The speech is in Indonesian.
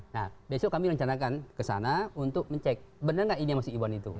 nah besok kami rencanakan ke sana untuk mencek benar nggak ini yang masih iwan itu